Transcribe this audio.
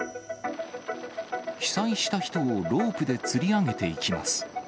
被災した人をロープでつり上げていきます。